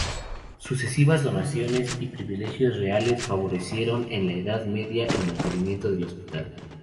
Sucesivas donaciones y privilegios reales favorecieron en la Edad Media el mantenimiento del hospital.